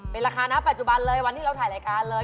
เป็นราคานะปัจจุบันเลยวันที่เราถ่ายรายการเลย